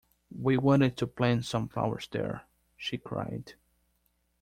‘We wanted to plant some flowers there,’ she cried.